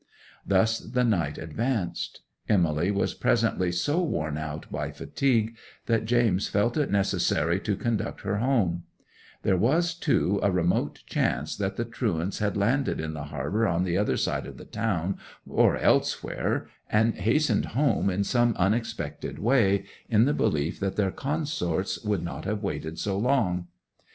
Thus the night advanced. Emily was presently so worn out by fatigue that James felt it necessary to conduct her home; there was, too, a remote chance that the truants had landed in the harbour on the other side of the town, or elsewhere, and hastened home in some unexpected way, in the belief that their consorts would not have waited so long.